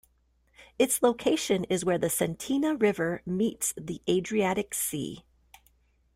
Its location is where the Cetina River meets the Adriatic Sea.